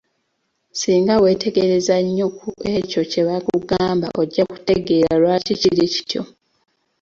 Singa weetegereza ennyo ku ekyo kye bakugamba ojja kutegeera lwaki kili kityo.